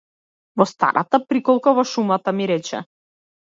Во старата приколка во шумата ми рече.